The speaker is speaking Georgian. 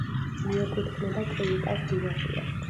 მიეკუთვნება კეიტას დინასტიას.